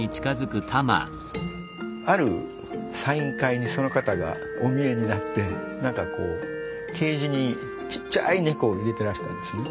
あるサイン会にその方がお見えになって何かケージにちっちゃい猫を入れてらしたんですね。